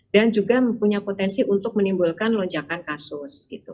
dan juga punya potensi untuk menimbulkan lonjakan kasus